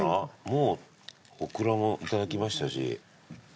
もうおくらもいただきましたし。